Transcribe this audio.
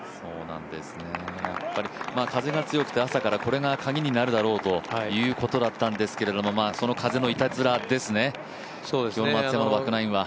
風が強くて朝からこれがカギになるだろうということだったんですがその風のいたずらですね、今日の松山のバックナインは。